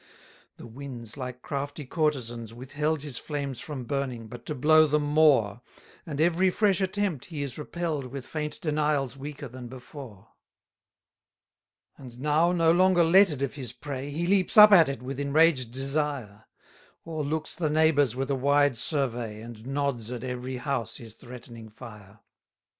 221 The winds, like crafty courtesans, withheld His flames from burning, but to blow them more: And every fresh attempt he is repell'd With faint denials weaker than before. 222 And now no longer letted of his prey, He leaps up at it with enraged desire: O'erlooks the neighbours with a wide survey, And nods at every house his threatening fire.